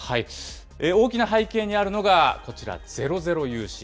大きな背景にあるのが、こちら、ゼロゼロ融資。